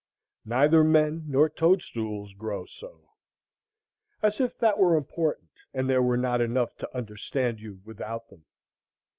Neither men nor toad stools grow so. As if that were important, and there were not enough to understand you without them.